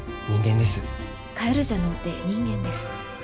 「カエルじゃのうて人間です」。